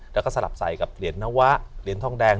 แล้วก็สลับใส่กับเหรียญนวะเหรียญทองแดง